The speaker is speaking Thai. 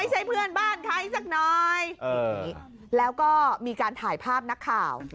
เพื่อนบ้านใครสักหน่อยแล้วก็มีการถ่ายภาพนักข่าว